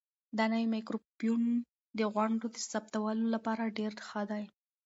دا نوی مایکروفون د غونډو د ثبتولو لپاره ډېر ښه دی.